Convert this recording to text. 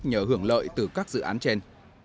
nhờ hưởng lợi từ các dự án trên